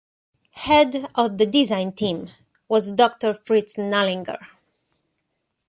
Head of the design team was Doctor Fritz Nallinger.